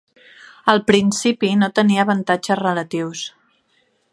Al principi no tenia avantatges relatius.